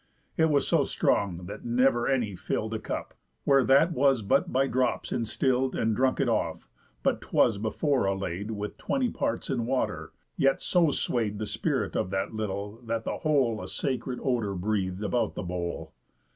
It was so strong that never any fill'd A cup, where that was but by drops instill'd, And drunk it off, but 'twas before allay'd With twenty parts in water; yet so sway'd The spirit of that little, that the whole A sacred odour breath'd about the bowl.